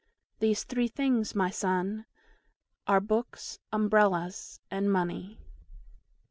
These three things, my son, are BOOKS, UMBRELLAS, and MONEY!